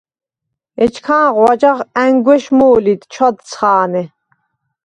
ეჩქანღო აჯაღ ანგვეშ მო̄ლიდ, ჩვადცხა̄ნე.